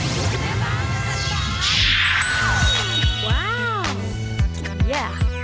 ไง